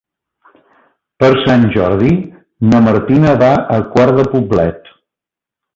Per Sant Jordi na Martina va a Quart de Poblet.